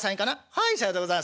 「はいさようでございますね。